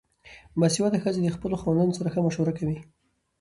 باسواده ښځې د خپلو خاوندانو سره ښه مشوره کوي.